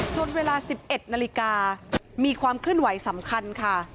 จนเวลา๑๑นาฬิกามีความขึ้นไหวสำคัญค่ะ